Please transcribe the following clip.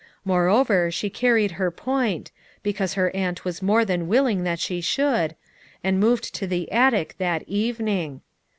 Moreover she carried her point, because her aunt was more than will ing that she should, and moved to the attic that evening.